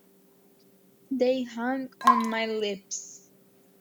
They hung on my lips.